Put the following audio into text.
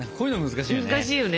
難しいよね。